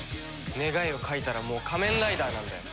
願いを書いたらもう仮面ライダーなんだよ。